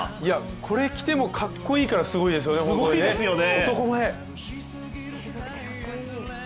これ着てもかっこいいからすごいですよね、男前！